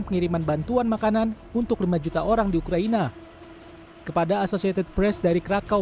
pengiriman bantuan makanan untuk lima juta orang di ukraina kepada associated press dari krakau